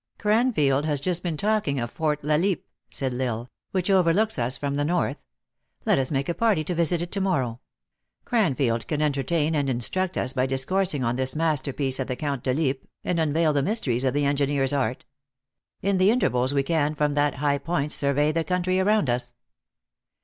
" Cranfield has just been talking of Fort la Lippe, said L Isle, " which overlooks us from the North. Let us jnake up a party to visit it to morrow. Cran field can entertain and instruct us by discoursing on this masterpiece of the Count de Lippe, and unveil the mysteries of the engineer s art. In the intervals, we can, from that high point, survey the country around us."